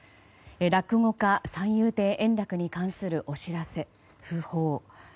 落語家・三遊亭円楽に関するお知らせ、訃報。